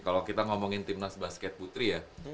kalau kita ngomongin timnas basket putri ya